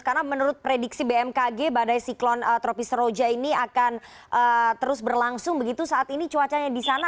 karena menurut prediksi bmkg badai siklon tropis roja ini akan terus berlangsung begitu saat ini cuacanya di sana